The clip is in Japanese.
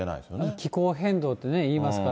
気候変動っていいますから。